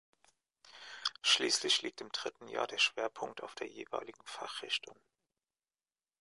Schließlich liegt im dritten Jahr der Schwerpunkt auf der jeweiligen Fachrichtung.